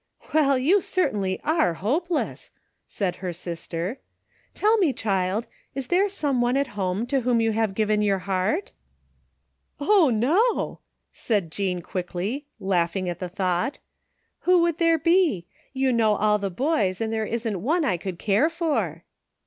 " Well, you certainly are hopeless !" said her sister. 201 THE FINDING OF JASPER HOLT " Tell me, child, is there someone at home to whom you have given your heart? "" Oh, no !" said Jean quickly, laughing at the thought. " Who would there be ? You know all the boys, and there isn't one I could care for."